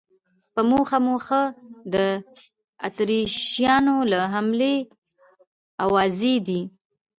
په مخه مو ښه، د اتریشیانو د حملې آوازې دي.